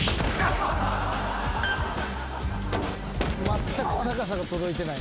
まったく高さが届いてない。